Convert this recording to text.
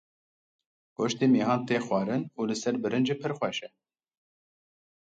Goştê mihan tê xwarin û li ser birincê pir xweş e.